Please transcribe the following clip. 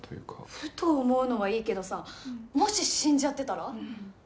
ふと思うのはいいけどさもし死んじゃってたら？